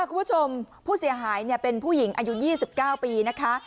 คุณผู้ชมผู้เสียหายเป็นผู้หญิงอายุ๒๙ปีนะคะ